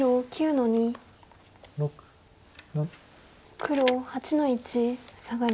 黒８の一サガリ。